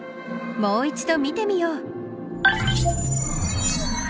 もう一度見てみよう。